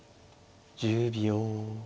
１０秒。